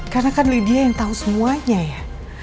karena kan lydia yang tahu semuanya ya